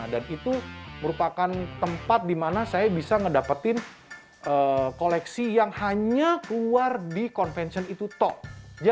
dan itu merupakan tempat di mana saya bisa mendapatkan koleksi yang hanya keluar di konvensi itu saja